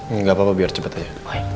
nggak apa apa biar cepet aja